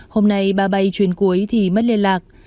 hôm nay ba bay chuyến cuối thì mất liên lạc